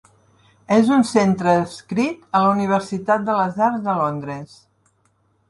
És un centre adscrit a la Universitat de les Arts de Londres.